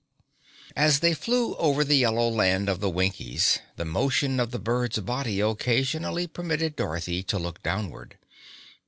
As they flew over the yellow land of the Winkies, the motion of the bird's body occasionally permitted Dorothy to look downward.